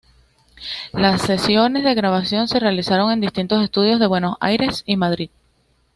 Las sesiones de grabación se realizaron en distintos estudios de Buenos Aires y Madrid.